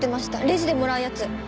レジでもらうやつ。